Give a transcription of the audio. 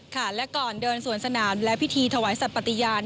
ค่ะและก่อนเดินสวนสนามและพิธีถวายสัตว์ปฏิญาณ